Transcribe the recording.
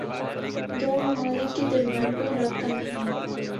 دو ممالک کے درمیان کوئی رابطہ نہیں ہے۔